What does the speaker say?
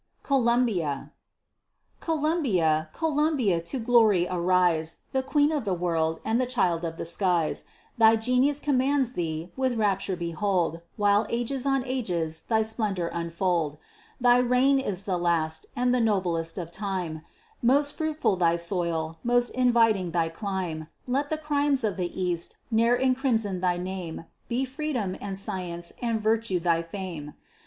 COLUMBIA Columbia, Columbia, to glory arise, The queen of the world, and the child of the skies; Thy genius commands thee; with rapture behold, While ages on ages thy splendor unfold, Thy reign is the last, and the noblest of time, Most fruitful thy soil, most inviting thy clime; Let the crimes of the east ne'er encrimson thy name, Be freedom, and science, and virtue thy fame.